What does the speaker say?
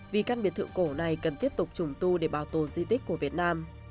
vì căn biệt thự cổ này cần tiếp tục trùng tu để bảo tồn di tích của việt nam